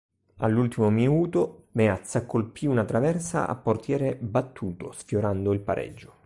All'ultimo minuto Meazza colpì una traversa a portiere battuto, sfiorando il pareggio.